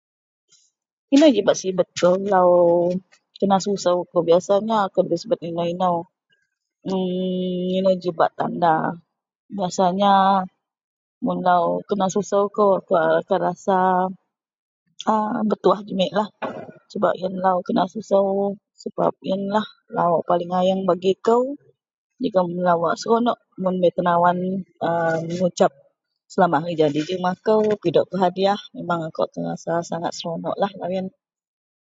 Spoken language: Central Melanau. inou ji bak sibet kou lau kenasusou kou, biasanya akou dabei subet ino-inou emm inou ji bak tanda rasanya mun lau kenasusou kou terasa a bertuah jumitlah sebab ienlah lau kenasusou, sebab ienlah lau paling ayeng bagi kou jegum lau wak seronok mun bei tenawan a mengucap selamat harijadi jegum akou, pidok kou hadiah memang akou akan rasa sangat seronoklah lau ien